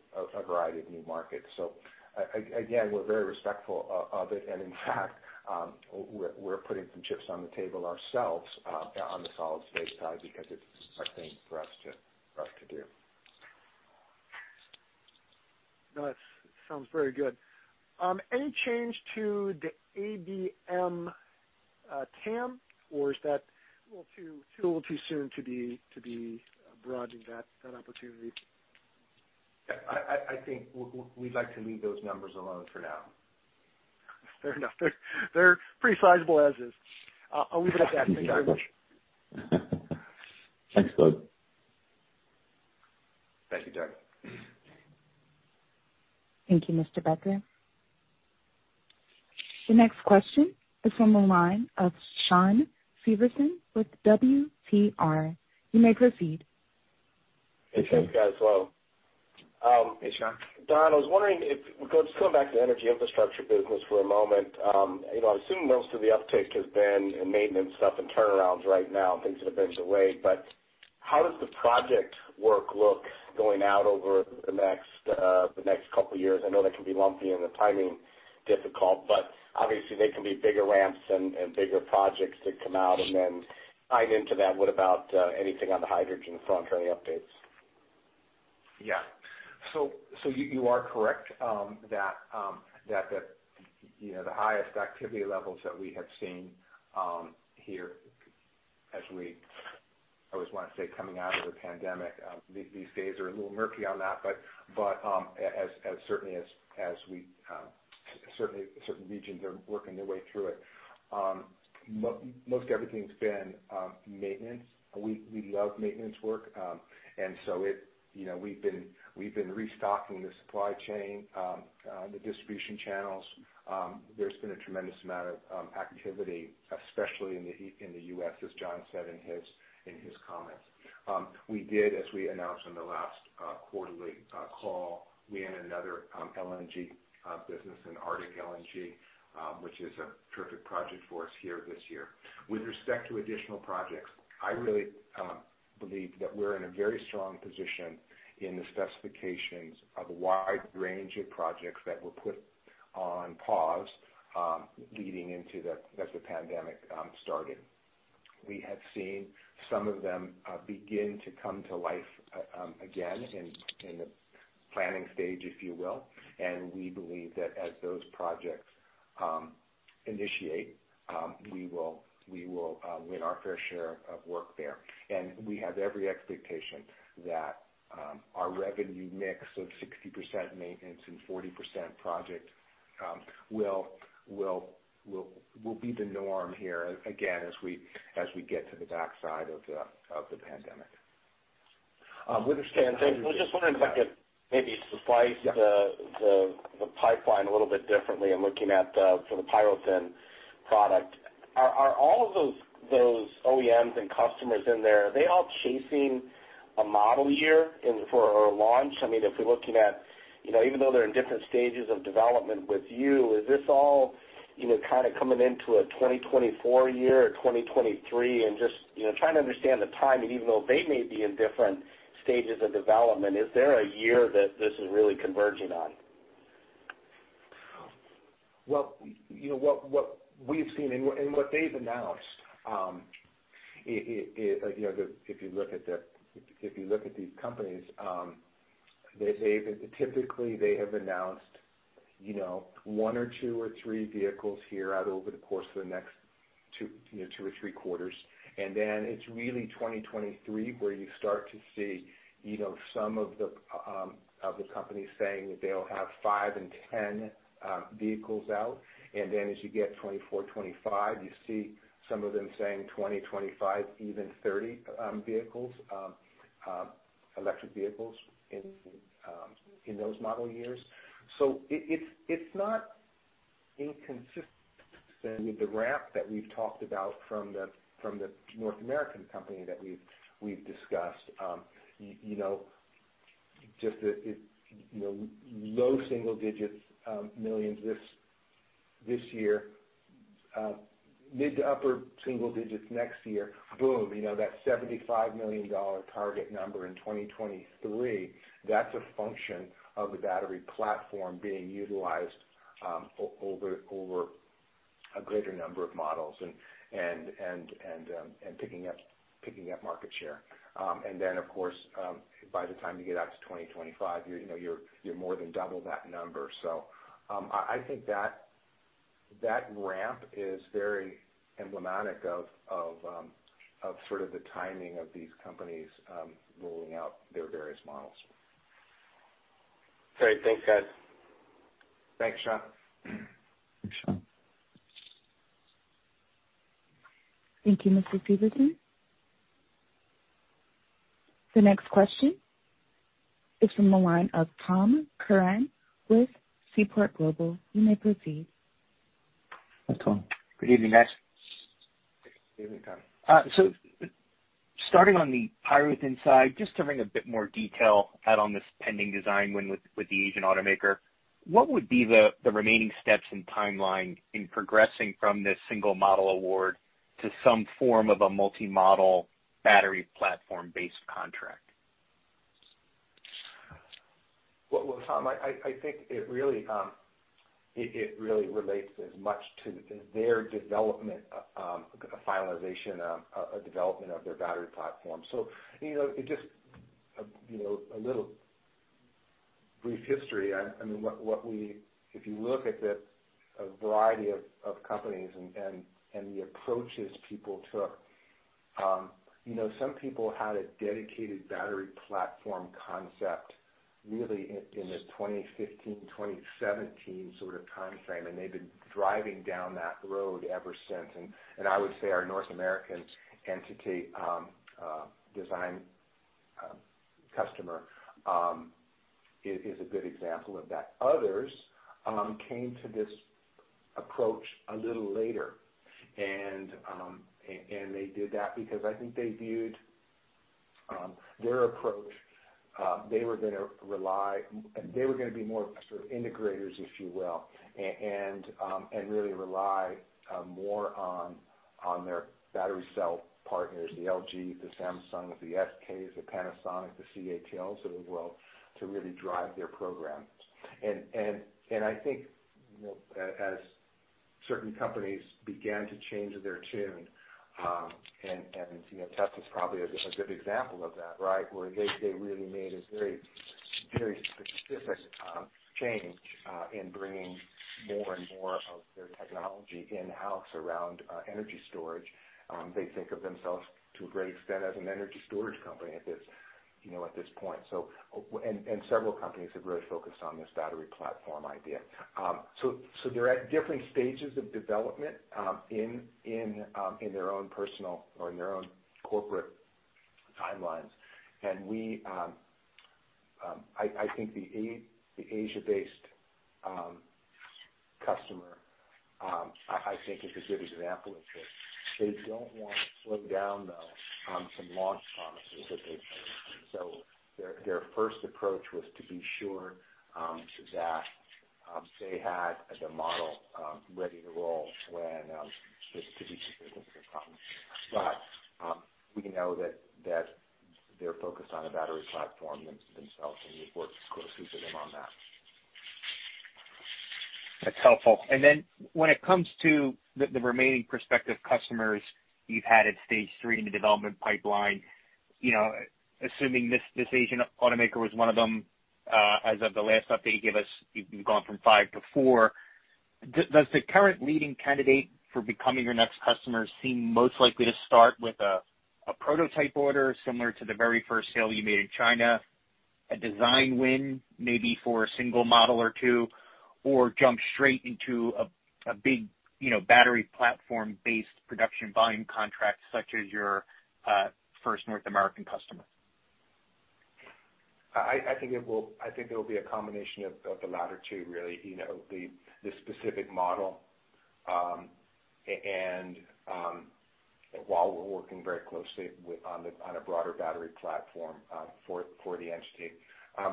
of new markets. So, again, we're very respectful of it. And in fact, we're putting some chips on the table ourselves on the solid-state side because it's a thing for us to do. That sounds very good. Any change to the ABM TAM, or is that a little too soon to be broadening that opportunity? I think we'd like to leave those numbers alone for now. Fair enough. They're pretty sizable as is. I'll leave it at that. Thank you very much. Thanks, Doug. Thank you, Doug. Thank you, Mr. Becker. The next question is from the line of Shawn Severson with WTR. You may proceed. Hey, Tim. Thank you as well. Hey, Shawn. Don, I was wondering if we could just come back to the energy infrastructure business for a moment. I assume most of the uptake has been in maintenance stuff and turnarounds right now, things that have been delayed. But how does the project work look going out over the next couple of years? I know that can be lumpy and the timing difficult, but obviously, there can be bigger ramps and bigger projects that come out. And then tying into that, what about anything on the hydrogen front or any updates? Yeah. So you are correct that the highest activity levels that we have seen here, as we always want to say, coming out of the pandemic, these days are a little murky on that. But certainly, as certain regions are working their way through it, most everything's been maintenance. We love maintenance work. And so we've been restocking the supply chain, the distribution channels. There's been a tremendous amount of activity, especially in the US, as John said in his comments. We did, as we announced on the last quarterly call, we ended another LNG business in Arctic LNG, which is a terrific project for us here this year. With respect to additional projects, I really believe that we're in a very strong position in the specifications of a wide range of projects that were put on pause leading into the pandemic started. We have seen some of them begin to come to life again in the planning stage, if you will, and we believe that as those projects initiate, we will win our fair share of work there. We have every expectation that our revenue mix of 60% maintenance and 40% project will be the norm here again as we get to the backside of the pandemic. With respect to. I was just wondering if I could maybe supply the pipeline a little bit differently. I'm looking at the PyroThin product. Are all of those OEMs and customers in there, are they all chasing a model year for a launch? I mean, if we're looking at, even though they're in different stages of development with you, is this all kind of coming into a 2024 year or 2023? And just trying to understand the timing, even though they may be in different stages of development, is there a year that this is really converging on? What we've seen and what they've announced, if you look at these companies, typically they have announced one or two or three vehicles here out over the course of the next two or three quarters. And then it's really 2023 where you start to see some of the companies saying that they'll have five and 10 vehicles out. And then as you get 2024, 2025, you see some of them saying 20, 25, even 30 electric vehicles in those model years. So it's not inconsistent with the ramp that we've talked about from the North American company that we've discussed. Just low single digits, millions this year, mid to upper single digits next year, boom, that $75 million target number in 2023, that's a function of the battery platform being utilized over a greater number of models and picking up market share. Of course, by the time you get out to 2025, you're more than double that number. I think that ramp is very emblematic of sort of the timing of these companies rolling out their various models. Great. Thanks, guys. Thanks, Shawn. Thanks, Shawn. Thank you, Mr Severson. The next question is from the line of Tom Curran with Seaport Global. You may proceed. Hi, Tom. Good evening, guys. Good evening, Tom. Starting on the PyroThin side, just to bring a bit more detail out on this pending design win with the Asian automaker, what would be the remaining steps and timeline in progressing from this single model award to some form of a multi-model battery platform-based contract? Tom, I think it really relates as much to their development, a finalization, a development of their battery platform. Just a little brief history. I mean, if you look at the variety of companies and the approaches people took, some people had a dedicated battery platform concept really in the 2015, 2017 sort of timeframe, and they've been driving down that road ever since. I would say our North American OEM design customer is a good example of that. Others came to this approach a little later, and they did that because I think they viewed their approach. They were going to rely, and they were going to be more sort of integrators, if you will, and really rely more on their battery cell partners, the LGs, the Samsungs, the SKs, the Panasonics, the CATLs of the world to really drive their program. And I think as certain companies began to change their tune, and Tesla is probably a good example of that, right, where they really made a very specific change in bringing more and more of their technology in-house around energy storage. They think of themselves to a great extent as an energy storage company at this point. And several companies have really focused on this battery platform idea. So they're at different stages of development in their own personal or in their own corporate timelines. And I think the Asia-based customer is a good example of this. They don't want to slow down, though, some launch promises that they've made. So their first approach was to be sure that they had the model ready to roll when it's to be sure that there's no problem. But we know that they're focused on a battery platform themselves, and we've worked closely with them on that. That's helpful. And then when it comes to the remaining prospective customers you've had at stage three in the development pipeline, assuming this Asian automaker was one of them, as of the last update you gave us, you've gone from five to four, does the current leading candidate for becoming your next customer seem most likely to start with a prototype order similar to the very first sale you made in China, a design win maybe for a single model or two, or jump straight into a big battery platform-based production volume contract such as your first North American customer? I think it will be a combination of the latter two, really, the specific model. And while we're working very closely on a broader battery platform for the entity,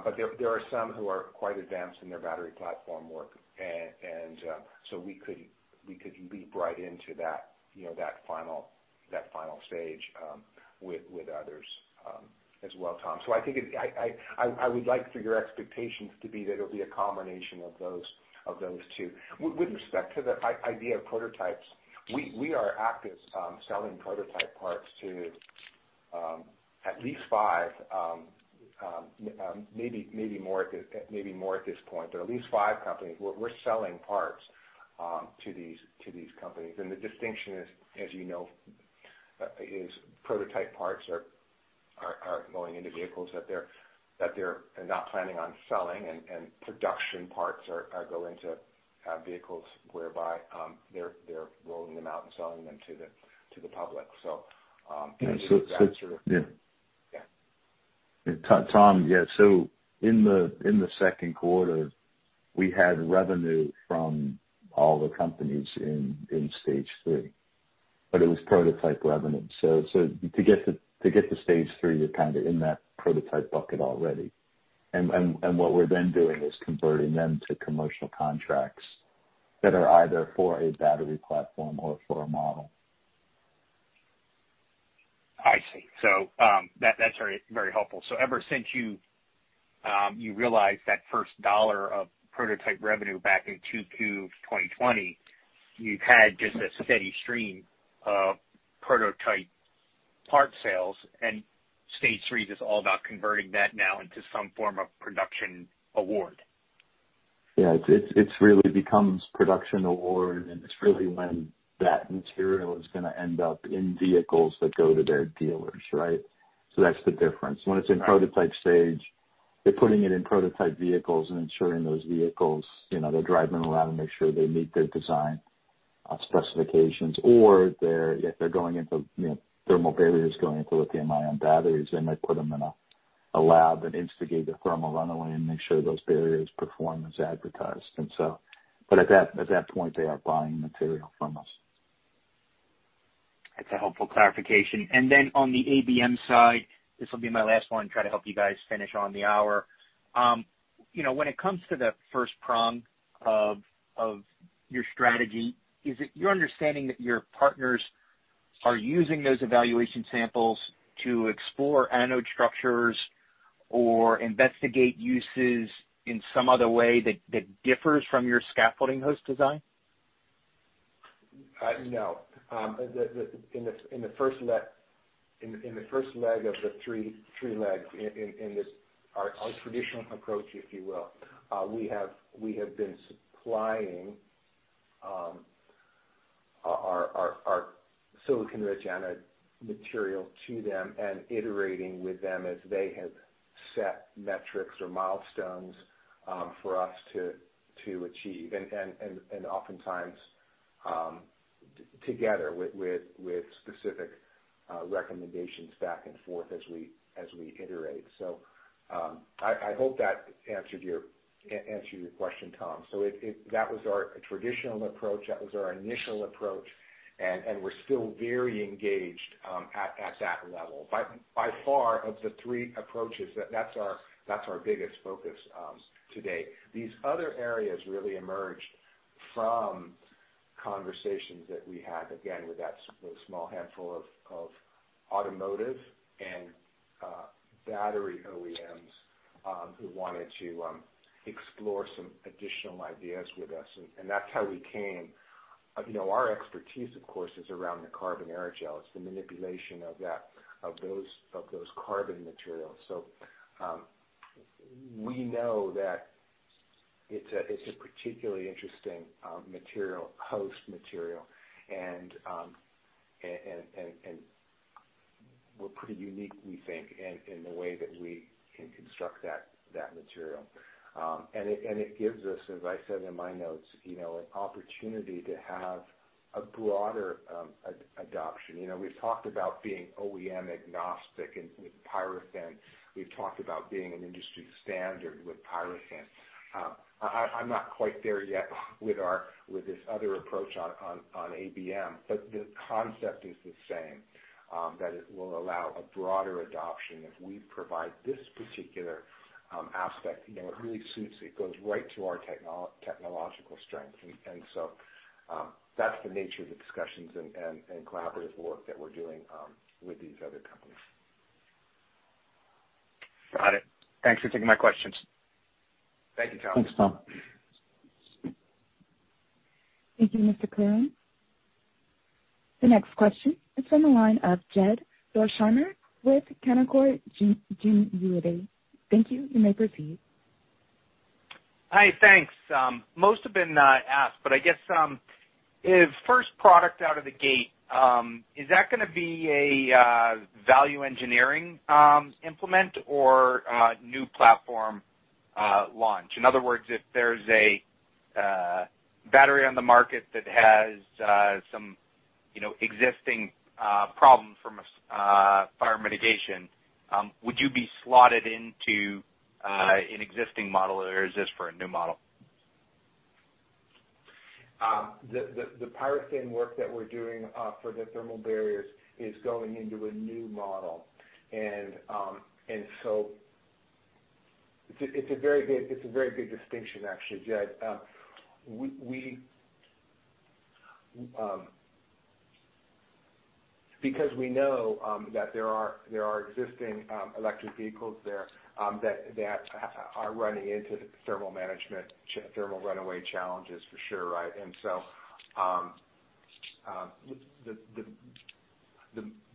but there are some who are quite advanced in their battery platform work. And so we could leap right into that final stage with others as well, Tom. So I think I would like for your expectations to be that it'll be a combination of those two. With respect to the idea of prototypes, we are active selling prototype parts to at least five, maybe more at this point, but at least five companies. We're selling parts to these companies. And the distinction is, as you know, prototype parts are going into vehicles that they're not planning on selling, and production parts are going to vehicles whereby they're rolling them out and selling them to the public. So that's sort of. Tom, yeah. So in the second quarter, we had revenue from all the companies in stage three, but it was prototype revenue. So to get to stage three, you're kind of in that prototype bucket already. And what we're then doing is converting them to commercial contracts that are either for a battery platform or for a model. I see. So that's very helpful. So ever since you realized that first dollar of prototype revenue back in Q2 2020, you've had just a steady stream of prototype part sales, and stage three is all about converting that now into some form of production award. Yeah. It really becomes production award, and it's really when that material is going to end up in vehicles that go to their dealers, right? So that's the difference. When it's in prototype stage, they're putting it in prototype vehicles and ensuring those vehicles, they're driving them around and make sure they meet their design specifications. Or if they're going into thermal barriers going into lithium-ion batteries, they might put them in a lab and instigate a thermal runaway and make sure those barriers perform as advertised. But at that point, they are buying material from us. That's a helpful clarification. And then on the ABM side, this will be my last one and try to help you guys finish on the hour. When it comes to the first prong of your strategy, is it your understanding that your partners are using those evaluation samples to explore anode structures or investigate uses in some other way that differs from your scaffolding host design? No. In the first leg of the three legs in our traditional approach, if you will, we have been supplying our silicon-rich anode material to them and iterating with them as they have set metrics or milestones for us to achieve. And oftentimes together with specific recommendations back and forth as we iterate. So I hope that answered your question, Tom. So that was our traditional approach. That was our initial approach, and we're still very engaged at that level. By far of the three approaches, that's our biggest focus today. These other areas really emerged from conversations that we had, again, with that small handful of automotive and battery OEMs who wanted to explore some additional ideas with us. And that's how we came. Our expertise, of course, is around the Carbon Aerogels. It's the manipulation of those carbon materials. So we know that it's a particularly interesting material, host material, and we're pretty unique, we think, in the way that we can construct that material. And it gives us, as I said in my notes, an opportunity to have a broader adoption. We've talked about being OEM agnostic with PyroThin. We've talked about being an industry standard with PyroThin. I'm not quite there yet with this other approach on ABM, but the concept is the same, that it will allow a broader adoption. If we provide this particular aspect, it really suits it. It goes right to our technological strength. And so that's the nature of the discussions and collaborative work that we're doing with these other companies. Got it. Thanks for taking my questions. Thank you, Tom. Thanks, Tom. Thank you, Mr Curran. The next question, it's from the line of Jed Dorsheimer with Canaccord Genuity. Thank you. You may proceed. Hi, thanks. Most have been asked, but I guess the first product out of the gate, is that going to be a value engineering implementation or new platform launch? In other words, if there's a battery on the market that has some existing problem from fire mitigation, would you be slotted into an existing model, or is this for a new model? The PyroThin work that we're doing for the thermal barriers is going into a new model. So it's a very good distinction, actually, Jed. Because we know that there are existing electric vehicles there that are running into thermal management, thermal runaway challenges for sure, right? So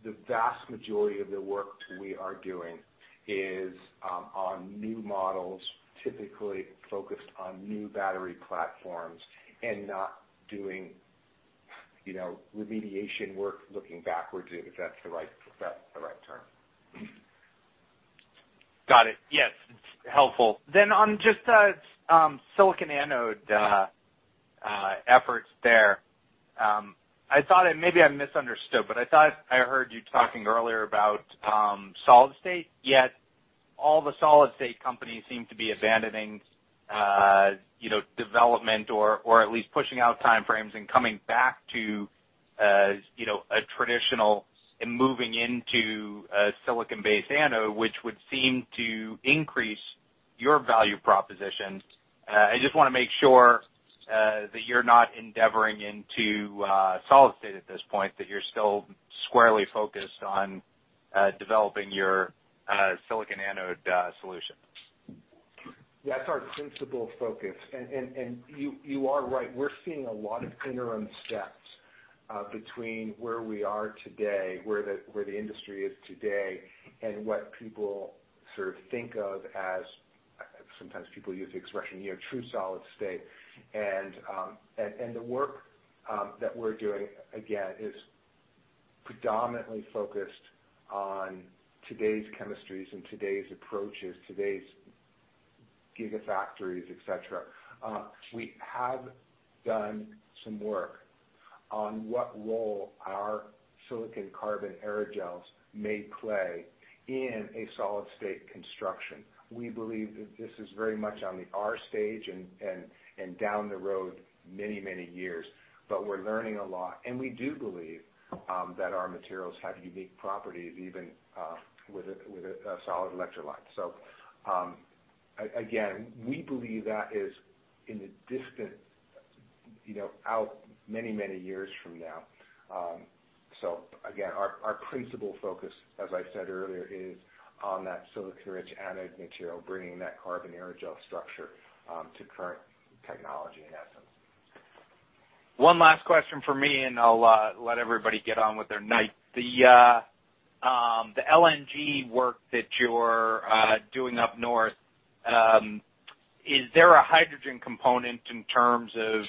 the vast majority of the work we are doing is on new models, typically focused on new battery platforms and not doing remediation work looking backwards, if that's the right term. Got it. Yes. Helpful. Then on just the silicon anode efforts there, I thought maybe I misunderstood, but I thought I heard you talking earlier about solid-state, yet all the solid-state companies seem to be abandoning development or at least pushing out timeframes and coming back to a traditional and moving into a silicon-based anode, which would seem to increase your value proposition. I just want to make sure that you're not endeavoring into solid-state at this point, that you're still squarely focused on developing your silicon anode solution. Yeah. It's our principal focus. And you are right. We're seeing a lot of interim steps between where we are today, where the industry is today, and what people sort of think of as sometimes people use the expression true solid-state. And the work that we're doing, again, is predominantly focused on today's chemistries and today's approaches, today's gigafactories, etc. We have done some work on what role our Silicon-Carbon Aerogels may play in a solid-state construction. We believe that this is very much on the R&D stage and down the road many, many years, but we're learning a lot. And we do believe that our materials have unique properties even with a solid electrolyte. So again, we believe that is in the distant future many, many years from now. So again, our principal focus, as I said earlier, is on that silicon-rich anode material, bringing that carbon aerogel structure to current technology in essence. One last question for me, and I'll let everybody get on with their night. The LNG work that you're doing up north, is there a hydrogen component in terms of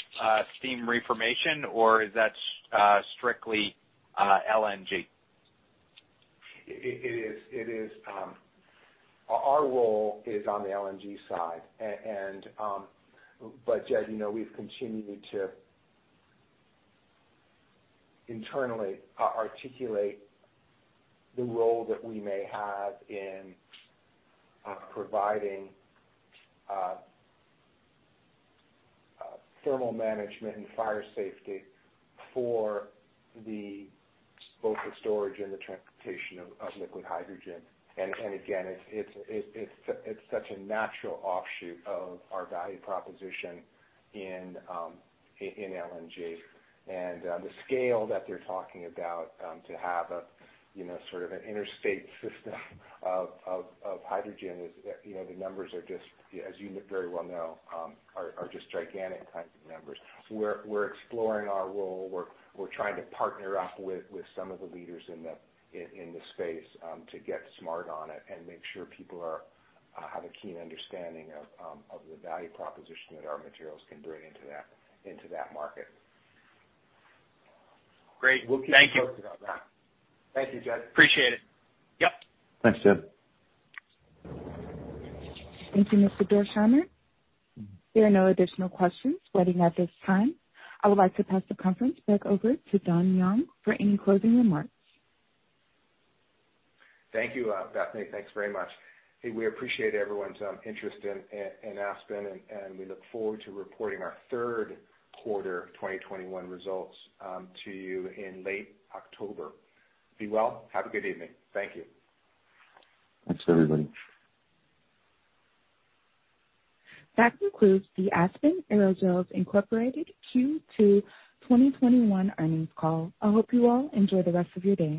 steam reforming, or is that strictly LNG? It is. Our role is on the LNG side. But Jed, we've continued to internally articulate the role that we may have in providing thermal management and fire safety for both the storage and the transportation of liquid hydrogen. And again, it's such a natural offshoot of our value proposition in LNG. And the scale that they're talking about to have sort of an interstate system of hydrogen is the numbers are just, as you very well know, gigantic kinds of numbers. We're exploring our role. We're trying to partner up with some of the leaders in the space to get smart on it and make sure people have a keen understanding of the value proposition that our materials can bring into that market. Great. Thank you. We'll keep you posted on that. Thank you, Jed. Appreciate it. Yep. Thanks, Jed. Thank you, Mr Dorsheimer. There are no additional questions waiting at this time. I would like to pass the conference back over to Don Young for any closing remarks. Thank you, Bethany. Thanks very much. We appreciate everyone's interest in Aspen, and we look forward to reporting our third quarter 2021 results to you in late October. Be well. Have a good evening. Thank you. Thanks, everybody. That concludes the Aspen Aerogels, Inc. Q2 2021 earnings call. I hope you all enjoy the rest of your day.